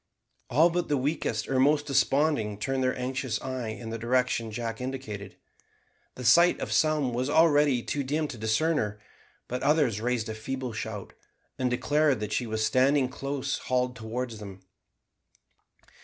All but the weakest or most desponding turned their anxious eyes in the direction Jack indicated. The sight of some was already too dim to discern her, but others raised a feeble shout, and declared that she was standing close hauled towards them.